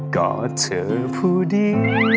กอดเธอผู้เดียว